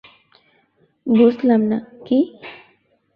বুঝলাম না, কী?